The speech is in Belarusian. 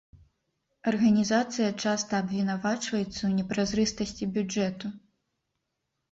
Арганізацыя часта абвінавачваецца ў непразрыстасці бюджэту.